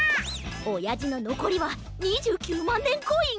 おやじののこりは２９まんねんコイン。